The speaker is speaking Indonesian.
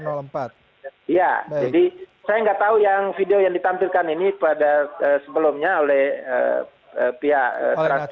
ya jadi saya nggak tahu yang video yang ditampilkan ini pada eee sebelumnya oleh eee pihak trans tujuh